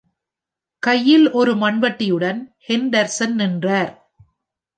கையில் ஒரு மண்வெட்டியுடன் ஹெண்டர்சன் நின்றார்.